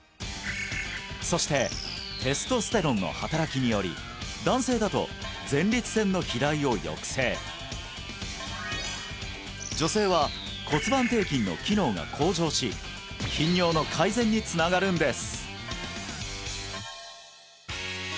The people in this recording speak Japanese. そしてテストステロンの働きにより男性だと前立腺の肥大を抑制女性は骨盤底筋の機能が向上し頻尿の改善につながるんです